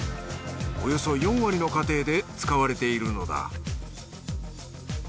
およそ４割の家庭で使われているのだ